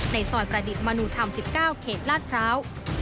ซอยประดิษฐ์มนุธรรม๑๙เขตลาดพร้าว